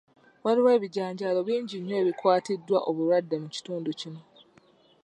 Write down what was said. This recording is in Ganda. Waliwo ebijanjaalo bingi nnyo ebikwatiddwa obulwadde mu kitundu kino.